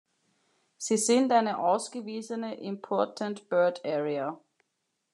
Sie sind eine ausgewiesene Important Bird Area.